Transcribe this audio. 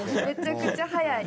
めちゃくちゃ早い。